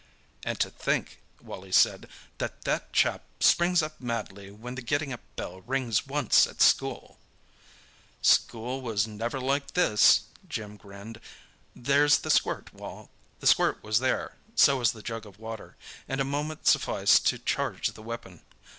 "And to think," Wally said, "that that chap springs up madly when the getting up bell rings once at school!" "School was never like this," Jim grinned. "There's the squirt, Wal." The squirt was there; so was the jug of water, and a moment sufficed to charge the weapon.